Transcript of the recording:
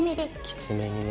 きつめにね。